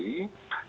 tidak ada korban